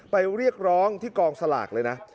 เรียกร้องที่กองสลากเลยนะ